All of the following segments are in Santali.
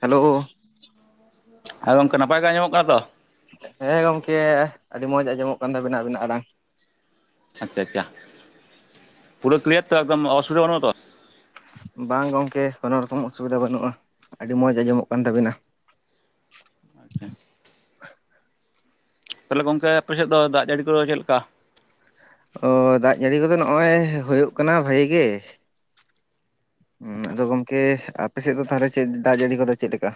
ᱦᱮᱞᱳ ᱦᱮᱸ ᱜᱚᱝᱠᱮ ᱱᱟᱯᱟᱭ ᱜᱮ ᱟᱡᱚᱢᱚᱜ ᱠᱟᱱᱟ ᱛᱚ? ᱦᱮᱸ ᱜᱚᱝᱠᱮ ᱟᱹᱰᱤ ᱢᱚᱸᱡᱽ ᱟᱸᱡᱚᱢᱚᱜ ᱠᱟᱱ ᱛᱟᱵᱤᱱᱟ ᱟᱵᱤᱱᱟᱜ ᱟᱲᱟᱝ᱾ ᱪᱷᱟ ᱟᱪᱷᱟ ᱪᱟ ᱯᱩᱨᱟ ᱠᱤᱞᱤᱭᱟᱨ ᱛᱚ ᱮᱠᱫᱚᱢ ᱚᱥᱩᱵᱤᱫᱷᱟ ᱵᱟᱹᱱᱩᱜ-ᱟ ᱛᱚ? ᱵᱟᱝ ᱜᱚᱝᱠᱮ ᱠᱳᱱᱳ ᱨᱚᱠᱚᱢ ᱚᱥᱩᱵᱤᱫᱷᱟᱹ ᱵᱟᱹᱱᱩᱜᱼᱟ, ᱟᱹᱰᱤ ᱢᱚᱡᱽ ᱟᱸᱡᱚᱢᱚᱜ ᱠᱟᱱ ᱛᱟᱹᱵᱤᱱᱟ᱾ ᱟᱪᱪᱷᱟ, ᱛᱟᱞᱦᱮ ᱜᱚᱝᱠᱮ ᱟᱯᱮᱥᱮᱫ ᱫᱚ, ᱫᱟᱜ ᱡᱟᱹᱲᱤ ᱠᱚᱫᱚ ᱪᱮᱫ ᱞᱮᱠᱟ? ᱚ ᱫᱟᱜ ᱡᱲᱤ ᱠᱚᱫᱚ ᱱᱚᱜᱼᱚᱭ, ᱦᱳᱭᱳᱜ ᱠᱟᱱᱟ ᱵᱷᱟᱜ ᱜᱮ᱾ ᱦᱩ ᱟᱫᱚ ᱜᱚᱢᱠᱮ ᱟᱯᱮᱥᱮᱫ ᱫᱚ, ᱛᱟᱦᱚᱞᱮ ᱪᱮᱫ ᱫᱟᱜ ᱡᱟᱹᱲᱤ ᱠᱚᱫᱚ, ᱪᱮᱫ ᱞᱮᱠᱟ?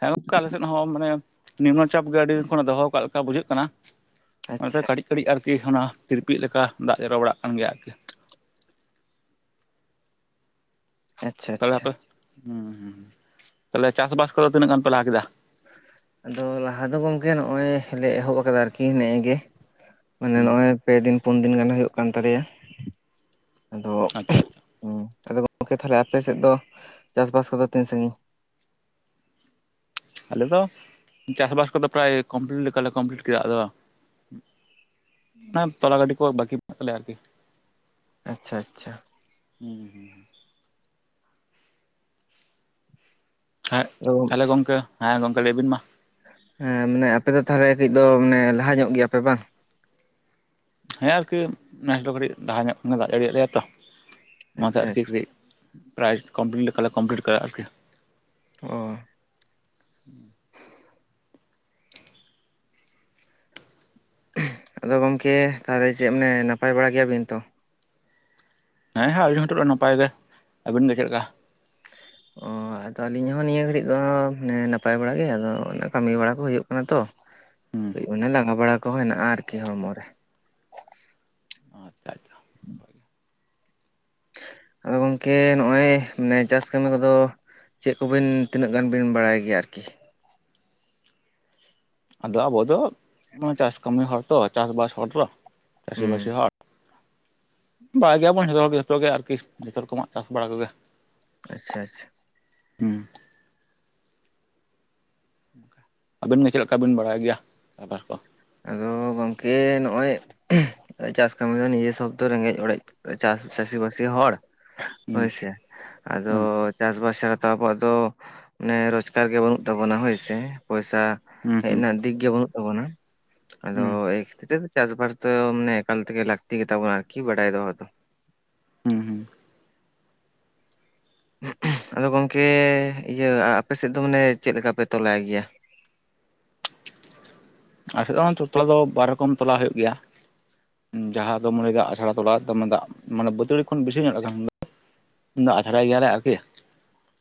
ᱦᱮᱸ ᱜᱚᱝᱠᱮ ᱟᱞᱮ ᱥᱮᱫ ᱦᱚᱸ, ᱢᱟᱱᱮ ᱱᱤᱢᱱᱚ ᱪᱟᱯ ᱜᱮ, ᱟᱹᱰᱤ ᱫᱤᱱ ᱠᱷᱚᱱᱮ ᱫᱚᱦᱚ ᱠᱟᱜ ᱞᱮᱠᱟ ᱵᱩᱡᱷᱟᱹᱜ ᱠᱟᱱᱟ᱾ ᱚᱱᱟᱛᱮ ᱟᱪᱪᱷᱟ ᱠᱟᱹᱴᱤᱡ ᱠᱟᱹᱴᱤᱡ ᱟᱨᱠᱤ ᱚᱱᱟ, ᱛᱤᱨᱯᱤ ᱞᱮᱠᱟ ᱫᱟᱜ ᱡᱚᱨ ᱵᱟᱲᱟᱜ ᱠᱟᱱ ᱜᱮᱭᱟ ᱟᱨᱠᱤ ᱾ ᱟᱪᱪᱷᱟ ᱛᱟᱦᱞᱮ ᱟᱪᱪᱷᱟ ᱟᱯᱮ ᱦᱮᱸ ᱛᱟᱦᱚᱞᱮ, ᱪᱟᱥ ᱵᱟᱥ ᱠᱚᱫᱚ ᱛᱤᱱᱟᱹᱜ ᱜᱟᱱ ᱯᱮ ᱞᱟᱦ ᱠᱮᱫᱟ? ᱟᱫᱚ ᱞᱟᱦᱟ ᱫᱚ ᱜᱚᱝᱠᱮ, ᱱᱚᱜ ᱚᱭ ᱞᱮ ᱮᱦᱚᱵ ᱟᱠᱟᱫᱟ ᱟᱨᱠᱤ ᱱᱮᱜ ᱜᱮ᱾ ᱢᱟᱱᱮ ᱱᱚᱜ ᱚᱭ ᱯᱮ ᱫᱤᱱ ᱯᱩᱱ ᱫᱤᱱ, ᱜᱟᱱ ᱦᱳᱭᱳᱜ ᱠᱟᱱ ᱛᱟᱞᱮᱭᱟ᱾ ᱟᱫᱚ, ᱟᱪᱪᱷᱟ ᱟᱪᱪᱷᱟ ᱟᱫᱚ ᱜᱚᱝᱠᱮ ᱛᱟᱦᱚᱞᱮ ᱟᱯᱮᱥᱮᱫ ᱫᱚ ᱪᱟᱥ ᱵᱟᱥ ᱠᱚᱫᱚ ᱛᱤᱱ ᱥᱟᱜᱤᱧ? ᱟᱞᱮ ᱫᱚ ᱪᱟᱥᱼᱵᱟᱥ ᱠᱚᱫᱚ, ᱯᱨᱟᱭ ᱠᱚᱢᱯᱞᱤᱴ ᱞᱮᱠᱟᱞᱮ ᱠᱚᱢᱯᱞᱤᱴ ᱠᱮᱫᱟ ᱟᱫᱚ ᱾ ᱚᱱᱟ ᱛᱚᱞᱟ ᱜᱷᱟᱰᱤ ᱠᱚ, ᱵᱟᱠᱤ ᱢᱮᱱᱟᱜ ᱛᱟᱞᱮᱭᱟ ᱟᱨᱠᱤ᱾ ᱟᱪᱪᱷᱟ, ᱟᱪᱪᱷᱟ᱾ [unintelligible] [unintelligible] ᱦᱮᱸ ᱟᱫᱚ ᱛᱟᱦᱚᱞᱮ ᱜᱚᱝᱠᱮ, ᱦᱮᱸ ᱜᱚᱝᱠᱮ ᱞᱟᱹᱭᱵᱤᱱ ᱢᱟ? ᱦᱮᱸ ᱢᱟᱱᱮ ᱟᱯᱮ ᱫᱚ ᱛᱟᱦᱚᱞᱮ ᱠᱟᱹᱡ ᱫᱚ, ᱢᱟᱱᱮ ᱞᱟᱦᱟ ᱧᱚᱜ ᱜᱮᱭᱟᱯᱮ ᱵᱟᱝ? ᱦᱮᱸ ᱟᱨᱠᱤ ᱱᱮᱥ ᱫᱚ ᱠᱟᱹᱴᱤᱡ ᱞᱟᱦᱟ ᱧᱚᱜ ᱠᱷᱚᱱᱮ ᱫᱟᱜ ᱡᱟᱹᱲᱤᱭᱟᱜ ᱞᱮᱭᱟ ᱛᱚ᱾ ᱚᱱᱟᱛᱮ ᱟᱪᱪᱷᱟ ᱟᱨᱠᱤ ᱟᱪᱪᱷᱟ ᱠᱟᱹᱴᱤᱡ ᱯᱨᱟᱭ, ᱠᱚᱢᱯᱞᱤᱴ ᱞᱮᱠᱟᱞᱮ ᱠᱚᱢᱯᱞᱤᱴ ᱠᱟᱜᱼᱟ ᱟᱨᱠᱤ᱾ ᱚ, ᱟᱫᱚ ᱜᱚᱝᱠᱮ ᱛᱟᱦᱚᱞᱮ ᱪᱮᱫ ᱢᱟᱱᱮ, ᱱᱟᱯᱟᱭ ᱵᱟᱲᱟ ᱜᱮᱭᱟᱵᱤᱱ ᱛᱚ? ᱦᱮᱸ ᱦᱮᱸ ᱟᱞᱤᱦᱚ ᱛᱚᱵᱮ ᱫᱚ ᱱᱟᱯᱟᱭ ᱜᱮ ᱟᱹᱵᱤᱱ ᱜᱮ ᱪᱮᱫ ᱞᱮᱠᱟ? ᱚ ᱟᱫᱚ ᱟᱹᱞᱤᱧ ᱦᱚᱸ ᱱᱤᱭᱟᱹ ᱜᱷᱟᱹᱲᱤᱡ ᱫᱚ, ᱢᱟᱱᱮ ᱱᱟᱯᱟᱭ ᱵᱟᱲᱟ ᱜᱮ ᱟᱫᱚ, ᱠᱟᱹᱢᱤ ᱵᱟᱲᱟ ᱠᱚ ᱦᱳᱭᱳᱜ ᱠᱟᱱᱟ ᱛᱚ᱾ ᱦᱩᱸ ᱚᱱᱮ ᱞᱟᱸᱜᱟ ᱵᱟᱲᱟ ᱠᱚ, ᱦᱮᱱᱟᱜᱼᱟ ᱟᱨᱠᱤ ᱦᱚᱲᱢᱚ ᱨᱮ᱾ [unintelligible] [unintelligible] ᱱᱟᱯᱟᱭ [inaudible] ᱜᱮ᱾ ᱟᱫᱚ ᱜᱚᱝᱠᱮ ᱱᱚᱜᱼᱚᱭ ᱱᱮ, ᱪᱟᱥ ᱠᱟᱹᱢᱤ ᱠᱚᱫᱚ ᱪᱮᱫ ᱠᱚᱵᱩᱱ ᱛᱤᱱᱟᱹᱜ ᱜᱟᱱ ᱵᱤᱱ, ᱵᱟᱲᱟᱭ ᱜᱮᱭᱟ ᱟᱨᱠᱤ? ᱟᱫᱚ ᱟᱵᱚ ᱫᱚ, ᱢᱟᱱᱮ ᱪᱟᱥ ᱠᱟᱹᱢᱤ ᱦᱚᱲ ᱛᱚ ᱪᱟᱥ ᱵᱟᱥ ᱦᱚᱲ ᱛᱚ, ᱪᱟᱹᱥᱤ ᱦᱩᱸ ᱵᱟᱹᱥᱤ ᱦᱚᱲ᱾ ᱵᱟᱲᱟᱭ ᱜᱮᱭᱟᱵᱚᱱ ᱡᱚᱛᱚ ᱦᱚᱲ ᱡᱚᱛᱚ ᱜᱮ ᱟᱨᱠᱤ ᱡᱚᱛᱚ ᱨᱚᱠᱚᱢᱟᱜ ᱪᱟᱥ ᱵᱟᱲᱟ ᱠᱚᱜᱮ᱾ ᱟᱪᱪᱷᱟ, ᱟᱪᱪᱷᱟ᱾ ᱦᱩᱸ, ᱟᱵᱮᱱ ᱜᱮ ᱪᱮᱫ ᱞᱮᱠᱟ ᱵᱮᱱ, ᱵᱟᱲᱟᱭ ᱜᱮᱭᱟ ᱪᱟᱥ ᱵᱟᱥ ᱠᱚ? ᱟᱫᱚ, ᱜᱚᱝᱠᱮ ᱱᱚᱜᱼᱚᱭ, ᱪᱟᱥ ᱠᱟᱹᱢᱤ ᱫᱚ ᱱᱤᱡᱮ ᱥᱚᱵ ᱫᱚ, ᱨᱮᱸᱜᱮᱡ ᱚᱲᱮᱡ ᱪᱟᱹᱥᱤ ᱵᱟᱹᱥᱤ ᱦᱚᱲ᱾ ᱦᱩᱸ ᱦᱳᱭᱥᱮ, ᱟᱫᱚ ᱦᱩᱸ ᱪᱟᱥ ᱵᱟᱥ ᱪᱷᱟᱲᱟ, ᱛᱚ ᱟᱵᱚᱣᱟᱜ ᱫᱚ ᱚᱱᱮ ᱨᱳᱡᱽᱜᱟᱨ ᱜᱮ ᱵᱟᱹᱱᱩᱜ ᱛᱟᱵᱚᱱᱟ, ᱦᱳᱭᱥᱮ ᱯᱚᱭᱥᱟ ᱦᱩᱸ ᱦᱮᱡ ᱦᱩᱸ ᱱᱟ᱾ ᱫᱤᱠ ᱜᱮ ᱵᱟᱹᱱᱩᱜ ᱛᱟᱵᱚᱱᱟ᱾ ᱟᱫᱚ ᱦᱩᱸ ᱮᱭ ᱠᱷᱟᱛᱤᱨ ᱛᱮ ᱪᱟᱥᱵᱟᱥ ᱫᱚ, ᱢᱟᱱᱮ ᱮᱠᱟᱞ ᱛᱮᱜᱮ ᱞᱟᱹᱠᱛᱤ ᱜᱮᱛᱟ ᱵᱚᱱᱟ, ᱟᱨᱠᱤ ᱵᱟᱰᱟᱭ ᱫᱚᱦᱚ ᱫᱚ᱾ ᱦᱩᱸ, ᱦᱩᱸ᱾ ᱟᱫᱚ ᱜᱚᱝᱠᱮ ᱤᱭᱟᱹ ᱟᱯᱮ ᱥᱮᱫ ᱫᱚ ᱢᱟᱱᱮ, ᱪᱮᱫ ᱞᱮᱠᱟ ᱯᱮ ᱛᱚᱞᱟᱭ ᱜᱮᱭᱟ? ᱟᱞᱮᱥᱮᱫ ᱫᱚ ᱚᱱᱟ ᱛᱚ ᱛᱚᱞᱟ ᱫᱚ, ᱵᱟᱨ ᱨᱚᱠᱚᱢ ᱛᱚᱞᱟ ᱦᱳᱭᱳᱜ ᱜᱮᱭᱟ᱾ ᱡᱟᱦᱟᱸ ᱫᱚᱢ ᱞᱟᱹᱭ ᱫᱟᱜ ᱟᱪᱷᱟᱲᱟ ᱛᱚᱞᱟ, ᱫᱚᱢᱮ ᱫᱟᱜ ᱢᱟᱱᱮ ᱵᱟᱹᱛᱟᱹᱲᱤ ᱠᱷᱚᱱ ᱵᱤᱥᱤ ᱧᱚᱜ ᱞᱟᱜᱟᱜ᱾ ᱩᱱ ᱫᱚ ᱟᱪᱷᱟᱨᱟᱭ ᱜᱮᱭᱟᱞᱮ ᱟᱨᱠᱤ,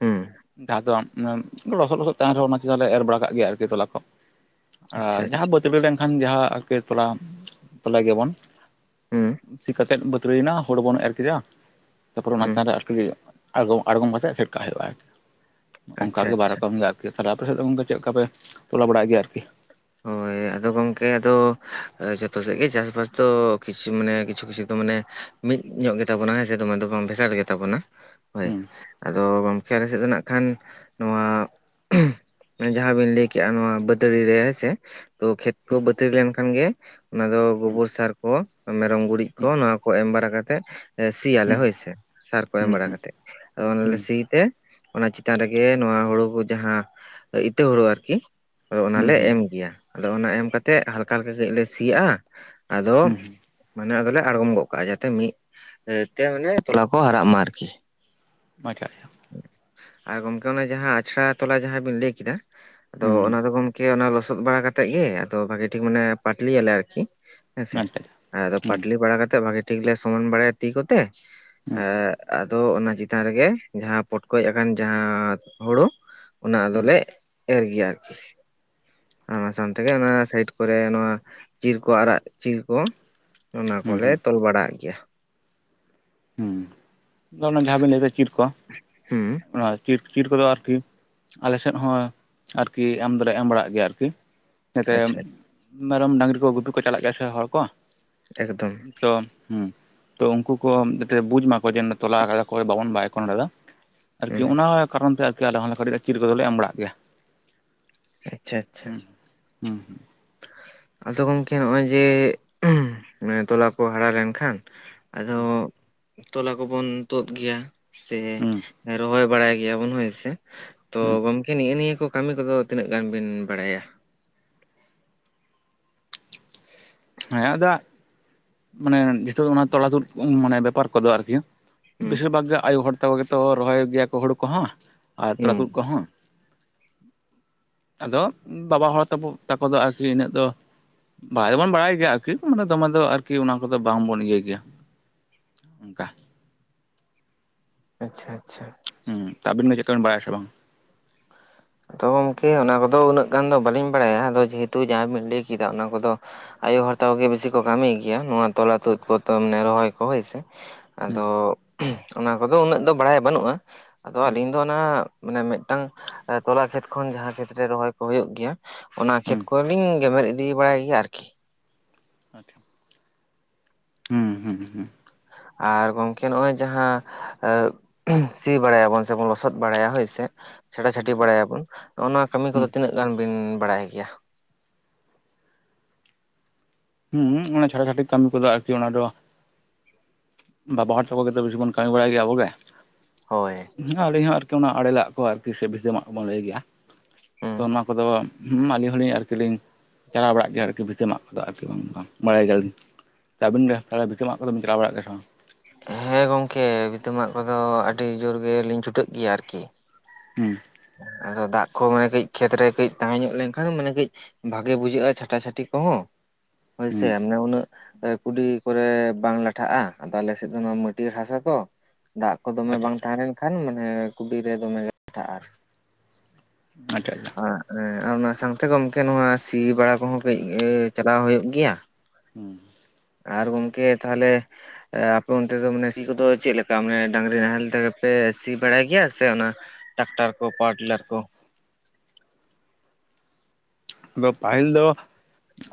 ᱦᱩᱸ ᱡᱟᱦᱟᱸ ᱫᱚ, ᱞᱚᱥᱚᱫ ᱞᱚᱥᱚᱫ ᱛᱟᱦᱮᱱ ᱨᱮᱦᱚᱸ, ᱚᱱᱟ ᱪᱮᱛᱟᱱ ᱨᱮ ᱮᱨ ᱵᱟᱲᱟ ᱠᱟᱜ ᱜᱮ, ᱟᱨᱠᱤ ᱛᱚᱞᱟ ᱠᱚ ᱟᱪᱪᱷᱟ ᱟᱨ ᱟᱪᱪᱷᱟ ᱵᱟᱹᱛᱟ. ᱲᱤ ᱞᱮᱱᱠᱷᱟᱱ ᱡᱟᱦᱟᱸᱠᱮ ᱛᱚᱞᱟ ᱛᱚᱞᱟ ᱜᱮᱵᱚᱱ ᱦᱩᱸ ᱪᱤ ᱠᱟᱹᱛᱮ, ᱩᱛᱩᱨᱟᱹᱭᱮᱱᱟ ᱦᱚᱲ ᱵᱚᱱ ᱮᱨ ᱠᱮᱫᱟ ᱛᱟᱯᱚᱨ ᱚᱱᱟ ᱦᱩᱸ ᱪᱮᱛᱟᱱ ᱟᱨᱠᱤ ᱟᱲᱜᱟᱢ ᱟᱲᱜᱚᱢ ᱠᱟᱛᱮᱜ ᱥᱮᱴᱠᱟᱜ ᱦᱟᱭᱚᱜᱼᱟ ᱟᱨᱠᱤ ᱚᱱᱠᱟ ᱟᱪᱪᱷᱟ ᱜᱮ ᱟᱪᱪᱷᱟ ᱵᱟᱨ ᱨᱚᱠᱚᱢ ᱜᱮ ᱛᱟᱦᱚᱞᱮ ᱟᱯᱮ ᱥᱮᱫ ᱜᱚᱝᱠᱮ ᱪᱮᱫ ᱞᱮᱠᱟ ᱯᱮ ᱛᱚᱞᱟ ᱵᱟᱲᱟᱭ ᱜᱮᱭᱟ ᱟᱨᱠᱤ? ᱦᱳᱭ ᱟᱫᱚ ᱜᱚᱝᱠᱮ ᱟᱫᱚ ᱡᱷᱚᱛᱚ ᱥᱮᱫ ᱜᱮ ᱪᱟᱥᱵᱟᱥ ᱫᱚ ᱠᱤᱪᱩ ᱢᱟᱱᱮ ᱠᱤᱪᱷᱩ ᱠᱤᱪᱷᱩ ᱫᱚ ᱢᱟᱱᱮ, ᱢᱤᱫ ᱧᱚᱜ ᱜᱮᱛᱟᱵᱚᱱᱟ ᱦᱮ ᱥᱮ ᱫᱚᱢᱮ ᱫᱚ ᱵᱟᱝ ᱵᱷᱮᱜᱟᱨ ᱜᱮᱛᱟᱵᱚᱱᱟ ᱦᱳᱭ ᱦᱩᱸ ᱟᱫᱚ ᱜᱚᱢᱠᱮ ᱟᱞᱮ ᱥᱮᱜ ᱫᱚ ᱱᱟᱜᱠᱷᱟᱱ ᱱᱚᱣᱟ ᱡᱟᱦᱟᱸ ᱵᱤᱱ ᱞᱟᱹᱭ ᱠᱮᱜᱼᱟ ᱱᱚᱣᱟ ᱵᱟᱹᱛᱟᱲᱤ ᱨᱮ ᱥᱮ ᱛᱚ ᱠᱷᱮᱛ ᱠᱚ ᱵᱟᱹᱛᱟᱲᱤ ᱞᱮᱱᱠᱷᱟᱱ ᱜᱮ ᱚᱱᱟ ᱫᱚ ᱜᱳᱵᱚᱨ ᱥᱟᱨ ᱠᱚ ᱢᱮᱨᱚᱢ ᱜᱩᱨᱤᱡ ᱠᱚ ᱱᱚᱶᱟ ᱠᱚ ᱮᱢ ᱵᱟᱨᱟ ᱠᱟᱛᱮ ᱥᱤᱭᱟᱞᱮ ᱦᱳᱭ ᱥᱮ ᱥᱟᱨ ᱠᱚ ᱮᱢ ᱦᱩᱸ ᱵᱟᱲᱟ ᱦᱩᱸ ᱠᱟᱛᱮ ᱟᱫᱚ ᱚᱱᱟᱞᱮ ᱥᱤ ᱛᱮ ᱚᱱᱟ ᱪᱮᱛᱟᱱ ᱨᱮᱜᱮ ᱱᱚᱣᱟ ᱦᱳᱲᱳ ᱠᱚ ᱡᱟᱦᱟᱸ ᱤᱛᱟᱹ ᱦᱩᱲᱩ ᱟᱨᱠᱤ ᱦᱩᱸ ᱚᱱᱟᱞᱮ ᱦᱩᱸ ᱮᱢ ᱜᱮᱭᱟ ᱟᱫᱚ ᱚᱱᱟ ᱮᱢ ᱠᱟᱛᱮᱜ ᱦᱟᱞᱠᱟ ᱦᱟᱞᱠᱟ ᱠᱟᱹᱡ ᱞᱮ ᱥᱤ ᱭᱟᱜ-ᱟ ᱟᱫᱚ᱾ ᱢᱟᱱᱮ ᱟᱫᱚᱞᱮ ᱟᱲᱜᱚᱢ ᱜᱚᱜ ᱠᱟᱜᱼᱟ ᱡᱟᱛᱮ ᱢᱤᱜ ᱛᱮ ᱵᱚᱞᱮ ᱛᱚᱞᱟ ᱠᱚ ᱦᱟᱨᱟᱜ ᱢᱟ ᱟᱨᱠᱤ᱾ [unintelligible] ᱟᱨ ᱜᱚᱢᱠᱮ ᱚᱱᱮ ᱡᱟᱦᱟᱸ ᱟᱪᱲᱟ ᱛᱚᱞᱟ ᱡᱟᱦᱟᱸ ᱵᱤᱱ ᱞᱟᱹᱭ ᱠᱮᱫᱟ ᱦᱩᱸ ᱦᱩᱸ ᱚᱱᱟ ᱫᱚ ᱜᱚᱢ ᱚᱱᱟ ᱞᱚᱥᱚᱫ ᱵᱟᱲᱟ ᱠᱟᱛᱮᱜ ᱜᱮ ᱟᱫᱚ ᱵᱷᱟᱜᱮ ᱴᱷᱤᱠ ᱢᱟᱱᱮ ᱯᱟᱴᱞᱤ ᱭᱟᱞᱮ ᱟᱨᱠᱤ᱾ ᱦᱮᱸᱥᱮ ᱟᱪᱪᱷᱟ ᱟᱪᱪᱷᱟ ᱟᱫᱚ ᱦᱩᱸ ᱯᱟᱴᱞᱤ ᱵᱟᱲᱟ ᱠᱟᱛᱮ ᱵᱷᱟᱜᱮ ᱴᱷᱤᱠ ᱞᱮ ᱥᱚᱢᱟᱱ ᱵᱟᱲᱟᱭ ᱛᱤ ᱠᱚᱛᱮ᱾ ᱦᱩᱸ ᱛᱚ ᱚᱱᱟ ᱪᱮᱛᱟᱱ ᱨᱮᱜᱮ ᱡᱟᱦᱟᱸ ᱯᱚᱴᱠᱚᱡ ᱟᱠᱟᱱ ᱡᱟᱦᱟᱸ ᱦᱳᱲᱳ ᱚᱱᱟ ᱦᱩᱸ ᱟᱫᱚᱞᱮ᱾ ᱮᱨ ᱜᱮᱭᱟ ᱟᱨᱠᱤ ᱟᱨ ᱚᱱᱟ ᱥᱟᱝ ᱛᱮᱜᱮ ᱚᱱᱟ ᱥᱟᱭᱤᱴ ᱠᱚᱨᱮ ᱱᱚᱣᱟ ᱪᱤᱨ ᱠᱚ ᱟᱨᱟᱜ ᱪᱤᱨ ᱠᱚ ᱚᱱᱟ ᱦᱩᱸ ᱠᱚᱞᱮ ᱦᱩᱸ ᱛᱚᱞ ᱵᱟᱲᱟᱜ ᱜᱮᱭᱟ ᱦᱩᱸ ᱡᱟᱦᱟᱸ ᱵᱮᱱ ᱞᱟᱭ ᱫᱟ‌ ᱚᱱᱟ ᱪᱤᱨ ᱠᱚ ᱦᱩᱸ ᱚᱱᱟ ᱪᱤᱴ ᱪᱤᱴ ᱠᱚᱫᱚ ᱟᱨᱠᱤ ᱟᱞᱮ ᱥᱮᱫ ᱦᱚᱸ ᱟᱨᱠᱤ ᱟᱢᱫᱞᱮ ᱮᱢ ᱵᱟᱲᱟᱜ ᱜᱮᱭᱟ ᱟᱨᱠᱤ ᱡᱟᱛᱮ ᱟᱪᱪᱷᱟ ᱢᱮᱨᱚᱢ ᱰᱟᱹᱟᱝᱨᱤ ᱠᱚ ᱜᱩᱯᱤ ᱠᱚ ᱪᱟᱞᱟᱜ ᱜᱮᱭᱟ ᱥᱮ ᱦᱚᱲ ᱠᱚ ᱮᱠᱫᱚᱢ ᱛᱚ ᱦᱩᱸ ᱛᱚ ᱩᱱᱠᱩ ᱠᱚ ᱡᱟᱛᱮ ᱵᱩᱡ ᱢᱟᱠᱚ ᱡᱟᱛᱮ ᱛᱚᱞᱟ ᱠᱟᱫᱟ ᱠᱚ ᱵᱟᱵᱚᱱ ᱵᱟᱭ ᱠᱚᱣᱟ ᱱᱚᱰᱮ ᱫᱚ ᱟᱨᱠᱤ ᱦᱩᱸ ᱚᱱᱟ ᱠᱟᱨᱚᱱ ᱛᱮ ᱟᱞᱮ ᱦᱚᱸᱞᱮ ᱠᱟᱹᱴᱤᱡ ᱪᱤᱨ ᱠᱚᱫᱚᱞᱮ ᱮᱢ ᱵᱟᱲᱟᱜ ᱜᱮᱭᱟ ᱟᱪᱪᱷᱟ ᱟᱪᱪᱷᱟ ᱟᱫᱚ ᱜᱚᱝᱠᱮ ᱱᱚᱜᱼᱚᱭ ᱡᱮ ᱛᱚᱞᱟ ᱠᱚ ᱦᱟᱨᱟ ᱞᱮᱱᱠᱷᱟᱱ ᱟᱫᱚ᱾ ᱛᱚᱞᱟ ᱠᱚᱵᱚᱱ ᱛᱩᱫ ᱜᱮᱭᱟ ᱥᱮ ᱦᱩᱸ ᱨᱚᱦᱚᱭ ᱵᱟᱲᱟᱭ ᱜᱮᱭᱟᱵᱚᱱ ᱦᱳᱭᱥᱮ᱾ ᱛᱚ ᱜᱚᱢᱠᱮ ᱱᱤᱼᱮ ᱱᱤᱭᱟᱹ ᱠᱟᱹᱢᱤ ᱠᱚᱫᱚ ᱛᱤᱱᱟᱹᱜ ᱜᱟᱱ ᱵᱤᱱ ᱵᱟᱲᱟᱭᱟ ᱦᱮᱸ ᱟᱫᱚ ᱢᱟᱱᱮ ᱡᱷᱚᱛᱚ ᱚᱱᱟ ᱛᱚᱞᱟ‌ ᱛᱳᱫ ᱢᱟᱱᱮ ᱵᱮᱯᱟᱨ ᱠᱚᱫᱚ ᱟᱨᱠᱤ ᱦᱩᱸ ᱵᱮᱥᱤᱨ ᱵᱷᱟᱜᱽ ᱜᱮ ᱟᱭᱩ ᱦᱚᱲ ᱛᱟᱠᱚ ᱜᱮᱛᱚ ᱨᱚᱦᱚᱭ ᱜᱮᱭᱟ ᱠᱚ ᱦᱳᱲᱳ ᱠᱚᱦᱚᱸ ᱟᱨ ᱛᱚᱞᱟ ᱦᱩᱸ ᱛᱩᱫ ᱠᱚᱦᱚᱸ ᱟᱫᱚ ᱵᱟᱵᱟ ᱦᱚᱲ ᱛᱟᱵᱚ ᱛᱟᱠᱚ ᱫᱚᱜ ᱟᱨᱠᱤ ᱤᱱᱟᱹᱜ ᱫᱚ ᱵᱚᱲᱟᱭ ᱫᱚᱵᱚᱱ ᱵᱟᱲᱟᱭ ᱜᱮᱭᱟ ᱟᱨᱠᱤ ᱢᱟᱱᱮ ᱫᱚᱢᱮ ᱫᱚ ᱟᱨᱠᱤ ᱚᱱᱟ ᱠᱚᱫᱚ ᱵᱟᱝᱵᱚᱱ ᱤᱭᱟᱹᱭ ᱜᱮᱭᱟ ᱚᱱᱠᱟ ᱟᱪᱪᱷᱟ ᱟᱪᱪᱷᱟ ᱦᱩᱸ ᱛᱟ ᱟᱵᱤᱱ ᱜᱮ ᱪᱮᱜᱠᱟ ᱵᱤᱱ ᱵᱟᱲᱟᱭᱟ ᱥᱮ ᱵᱟᱝ ᱟᱫᱚ ᱜᱚᱝᱠᱮ ᱚᱱᱟ ᱠᱚᱫᱚ ᱩᱱᱟᱹᱜ ᱜᱟᱱ ᱫᱚ ᱵᱟᱟᱹᱞᱤᱧ ᱵᱟᱲᱟᱭᱟ ᱟᱫᱚ ᱡᱮᱦᱮᱛᱩ ᱡᱟᱦᱟᱸ ᱵᱤᱱ ᱞᱟᱹᱭ ᱠᱮᱫᱟ ᱚᱱᱟ ᱠᱚᱫᱚ᱾ ᱟᱭᱳ ᱦᱚᱲ ᱛᱟᱠᱚ ᱜᱮ ᱵᱤᱥᱤ ᱠᱚ ᱠᱟᱹᱢᱤ ᱜᱮᱭᱟ ᱱᱚᱣᱟ ᱛᱚᱞᱟ ᱛᱩᱫ ᱠᱚ ᱢᱟᱱᱮ ᱨᱚᱦᱚᱭ ᱠᱚ ᱦᱳᱭ ᱥᱮ ᱦᱩᱸ ᱟᱫᱚ ᱚᱱᱟ ᱠᱚᱫᱚ ᱩᱱᱟᱹᱜ ᱫᱚ ᱵᱟᱲᱟᱭ ᱵᱟᱹᱱᱩᱜᱼᱟ ᱟᱫᱚ ᱟᱞᱤᱧ ᱫᱚ᱾ ᱚᱱᱟ ᱢᱟᱱᱮ ᱢᱤᱜᱴᱟᱝ ᱛᱚᱞᱟ ᱠᱷᱮᱛ ᱠᱷᱚᱱ ᱡᱟᱦᱟᱸ ᱠᱷᱮᱛᱨᱮ ᱨᱚᱦᱚᱭ ᱠᱚ ᱦᱳᱭᱳᱜ ᱜᱮᱭᱟ᱾ ᱚᱱᱟ ᱦᱩᱸ ᱠᱷᱮᱛ ᱠᱚᱨᱮᱞᱤᱧ ᱜᱮᱢᱮᱨ ᱤᱫᱤ ᱵᱟᱲᱟᱭ ᱜᱮᱭᱟ ᱟᱨᱠᱤ᱾ [inaudible] ᱦᱩᱸ ᱦᱩᱸ ᱦᱩᱸ᱾ ᱟᱨ ᱜᱚᱝᱠᱮ ᱱᱚᱜᱼᱚᱭ ᱡᱟᱦᱟᱸ ᱟᱸ ᱥᱤ ᱵᱟᱲᱟᱭᱟᱵᱚᱱ ᱥᱮ ᱵᱚᱱ ᱞᱚᱥᱚᱫ ᱵᱟᱲᱟᱭᱟ ᱦᱳᱭ ᱥᱮ ᱪᱷᱟᱴᱟ ᱪᱷᱟᱴᱤ ᱵᱟᱲᱟᱭᱟ ᱵᱚᱱ ᱱᱚᱜ-ᱚ ᱱᱚᱣᱟ ᱠᱟᱹᱢᱤ ᱦᱩᱸ ᱠᱚᱫᱚ ᱛᱤᱱᱟᱹᱜ ᱜᱟᱱ ᱵᱤᱱ ᱵᱟᱲᱟᱭ ᱜᱮᱭᱟ? ᱦᱩᱸ ᱚᱱᱟ ᱪᱷᱟᱴᱟ ᱪᱷᱟᱴᱤ ᱠᱟᱹᱢᱤ ᱠᱚᱫᱟ ᱟᱨᱠᱤ ᱚᱱᱟ ᱫᱚ ᱵᱟᱵᱟ ᱦᱚᱲ ᱪᱟᱠᱚ ᱜᱮᱛᱚ ᱵᱤᱥᱤ ᱵᱚᱱ ᱠᱟᱹᱢᱤ ᱵᱟᱲᱟᱭ ᱜᱮᱭᱟ ᱟᱵᱚ ᱜᱮ᱾ ᱦᱳᱭ᱾ ᱦᱩᱸ ᱟᱹᱞᱤ ᱦᱚᱸ ᱟᱨᱠᱤ ᱚᱱᱟ ᱟᱲᱮᱞᱟᱜ ᱠᱚ ᱟᱨᱠᱤ ᱥᱮ ᱵᱷᱤᱛᱟᱹ ᱢᱟᱜ ᱠᱚ ᱵᱚᱱ ᱞᱟᱹᱭ ᱜᱮᱭᱟ ᱦᱩᱸ ᱛᱚ ᱚᱱᱟ ᱠᱚᱫᱚ ᱦᱩᱸ ᱟᱹᱞᱤᱧ ᱦᱚᱸᱞᱤᱧ ᱟᱨᱠᱤ ᱞᱤᱧ ᱪᱟᱞᱟᱣ ᱵᱟᱲᱟᱜ ᱜᱮᱭᱟ ᱟᱨᱠᱤ ᱵᱷᱤᱛᱟᱹ ᱢᱟᱜ ᱠᱚᱫᱚ ᱟᱨᱠᱤ ᱵᱟᱝ ᱝᱴᱫᱚ ᱵᱟᱝ, ᱵᱟᱲᱟᱭ ᱜᱮᱭᱟᱞᱤᱧ᱾ ᱛᱟᱟᱹᱵᱤᱱ ᱜᱮ ᱛᱟᱦᱚᱞᱮ ᱵᱷᱤᱛᱟᱹ ᱢᱟᱜ ᱠᱚᱫᱚ ᱵᱤᱱ ᱪᱟᱞᱟᱣ ᱵᱟᱲᱟᱜ ᱜᱮᱭᱟ ᱥᱮ ᱵᱟᱝ? ᱦᱮᱸ ᱜᱚᱝᱠᱮ ᱵᱷᱤᱛᱟᱹ ᱢᱟᱜ ᱠᱚᱫᱚ ᱟᱹᱰᱤ ᱡᱳᱨ ᱜᱮ ᱞᱤᱧ ᱪᱷᱩᱴᱟᱹᱜ ᱜᱮᱭᱟ ᱟᱨᱠᱤ᱾ ᱦᱩᱸ᱾ ᱟᱫᱚ ᱫᱟᱜ ᱠᱚ ᱢᱟᱱᱮ ᱠᱟᱹᱡ ᱠᱷᱮᱛᱨᱮ ᱠᱟᱹᱡ ᱛᱟᱦᱮᱸ ᱧᱚᱜ ᱞᱮᱱᱠᱷᱟᱱ ᱢᱟᱱᱮ ᱠᱟᱹᱡ ᱵᱷᱟᱜᱮ ᱵᱩᱡᱷᱟᱹᱜᱼᱟ ᱪᱷᱟᱴᱟ ᱪᱷᱟᱴᱤ ᱠᱚᱦᱚᱸ᱾ ᱦᱳᱭᱥᱮ ᱦᱩᱸ ᱢᱟᱱᱮ ᱩᱱᱟᱹᱜ ᱮ ᱠᱩᱰᱤ ᱠᱚᱨᱮ ᱵᱟᱝ ᱞᱟᱴᱷᱟᱜᱼᱟ, ᱟᱫᱚ ᱟᱞᱮ ᱥᱮᱫ ᱫᱚ ᱱᱚᱣᱟ ᱢᱟᱹᱴᱤᱭᱟᱹᱲ ᱦᱟᱥᱟ ᱛᱚ᱾ ᱫᱟᱜ ᱠᱚ ᱫᱚᱢᱮ ᱟᱪᱪᱷᱟ ᱵᱟᱝ ᱟᱪᱪᱷᱟ ᱛᱟᱦᱮᱸ ᱞᱮᱱᱠᱷᱟᱱ ᱢᱟᱱᱮ ᱠᱩᱵᱤᱨᱮ ᱫᱚᱢᱮ [inaudible] ᱞᱟᱴᱷᱟᱜᱼᱟ ᱟᱨ ᱟᱪᱷᱟ ᱟᱪᱷᱟ᱾ ᱟ ᱮᱸ ᱟᱨ ᱚᱱᱟ ᱥᱟᱶᱛᱮ ᱜᱚᱢᱠᱮ ᱱᱚᱣᱟ ᱥᱤ ᱵᱟᱲᱟ ᱠᱚᱦᱚᱸ ᱠᱟᱹᱡ ᱮ ᱪᱟᱞᱟᱣ ᱦᱩᱭᱩᱜ ᱜᱮᱭᱟ, ᱟ ᱦᱩᱸ᱾ ᱟᱨ ᱜᱚᱢᱠᱮ ᱛᱟᱦᱚᱞᱮ ᱟ-ᱯᱮ ᱚᱱᱛᱮ ᱫᱚ ᱢᱟᱱᱮ ᱥᱤ ᱠᱚᱫᱚ ᱪᱮᱫ ᱞᱮᱠᱟ ᱢᱟᱱᱮ ᱰᱟᱝᱨᱤ ᱱᱟᱦᱮᱞ ᱛᱮᱜᱮ ᱯᱮ ᱥᱤ ᱵᱟᱲᱟᱭ ᱜᱮᱭᱟ? ᱥᱮ ᱚᱱᱟ ᱴᱟᱠᱴᱟᱨ ᱠᱚ ᱯᱟᱣᱟᱨ ᱴᱤᱞᱟᱨ ᱠᱚ᱾ ᱫᱚ ᱯᱟᱹᱦᱤᱞ ᱫᱚ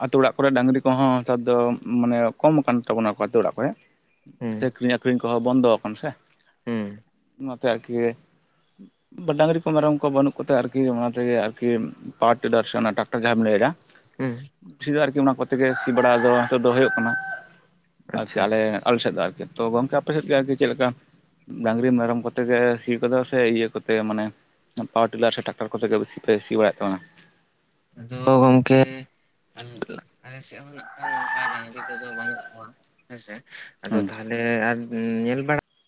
ᱟᱛᱳ ᱚᱲᱟᱜ ᱠᱚᱨᱮᱜ ᱰᱟᱹᱝᱨᱤ ᱠᱚᱦᱚᱸ ᱦᱮᱛᱟᱨ ᱫᱚ ᱢᱟᱱᱮ ᱠᱚᱢ ᱟᱠᱟᱱ ᱛᱟᱵᱚᱱᱟ ᱠᱚ ᱟᱛᱳ ᱚᱲᱟᱜ ᱠᱚᱨᱮᱜ᱾ ᱦᱩᱸ ᱥᱮ ᱠᱤᱨᱤᱧ ᱟᱠᱷᱨᱤᱧ ᱠᱚᱦᱚᱸ ᱵᱚᱱᱫᱚ ᱟᱠᱟᱱᱟ ᱥᱮ ᱦᱩᱸ᱾ ᱱᱚᱛᱮ ᱟᱠᱤ ᱵᱟ ᱰᱟᱹᱝᱨᱤ ᱠᱚ ᱢᱮᱨᱚᱢ ᱠᱚ ᱵᱟᱹᱱᱩᱜ ᱠᱚᱛᱮ ᱟᱨᱠᱤ ᱚᱱᱟ ᱛᱮᱜᱮ ᱟᱨᱠᱤ ᱯᱟᱣᱟᱨ ᱴᱤᱞᱟᱨ ᱥᱮ ᱴᱟᱠ ᱴᱟᱨ ᱡᱟᱦᱟᱸᱢ ᱞᱮᱭ ᱫᱟ, ᱦᱩᱸ ᱵᱤᱥᱤ ᱫᱚ ᱟᱨᱠᱤ ᱚᱱᱟ ᱠᱚᱛᱮ ᱜᱮ ᱥᱤ ᱵᱟᱲᱟ ᱫᱚ ᱦᱤᱛᱳᱜ ᱫᱚ ᱦᱩᱭᱩᱜ ᱠᱟᱱᱟ᱾ ᱟᱨᱠᱤ ᱟᱪᱪᱷᱟ ᱟᱞᱮ, ᱟᱞᱮ ᱥᱮᱫ ᱫᱚ ᱟᱨᱠᱤ ᱛᱚ ᱜᱚᱢᱠᱮ ᱟᱯᱮ ᱥᱮᱫ ᱜᱮ ᱟᱨᱠᱤ ᱪᱮᱫ ᱞᱮᱠᱟ ᱰᱟᱝᱨᱤ ᱢᱮᱨᱚᱢ ᱠᱚᱛᱮ ᱜᱮ ᱥᱤ ᱠᱚᱫᱚ ᱥᱮ ᱤᱭᱟᱹ ᱠᱚᱛᱮ ᱢᱟᱱᱮ ᱯᱟᱣᱟᱨ ᱴᱤᱞᱟᱨ ᱥᱮ ᱴᱟᱠᱴᱚᱨ ᱠᱚᱛᱮ ᱜᱮ ᱵᱮᱥᱤ ᱯᱮ ᱥᱤ ᱵᱟᱲᱟᱭᱮᱫ ᱛᱟᱵᱚᱱᱟ? ᱟᱫᱚ ᱜᱚᱝᱠᱮ ᱟᱞᱮ, ᱟᱞᱮ ᱥᱮᱫ ᱠᱚ ᱱᱟᱜ ᱠᱷᱟᱱ ᱚᱱᱠᱟ ᱰᱟᱝᱨᱤ ᱠᱚᱫᱚ ᱵᱟᱹᱱᱩᱜ ᱠᱚᱣᱟ ᱦᱮᱸᱥᱮ, ᱟᱫᱚ ᱦᱩᱸ ᱛᱟᱦᱚᱞᱮ ᱟᱨ ᱩᱸ ᱧᱮᱞ ᱵᱟᱲᱟ